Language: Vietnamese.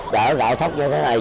để gạo thấp như thế này